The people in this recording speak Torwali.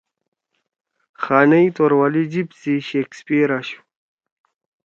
خانئی توروالی جِب سی شیکسپیئر اَشُو